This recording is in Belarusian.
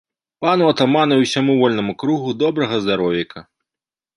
Пану атаману і ўсяму вольнаму кругу добрага здаровейка!